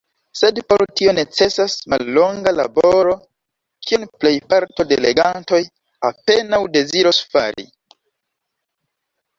Sed por tio necesas nemallonga laboro, kion plejparto de legantoj apenaŭ deziros fari.